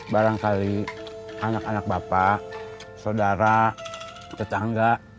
barangkali anak anak bapak saudara tetangga